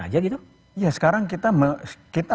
aja gitu ya sekarang kita